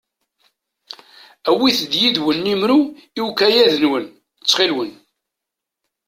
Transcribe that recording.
Awit-d yid-wen imru i ukayad-nwen, ttxil-wen.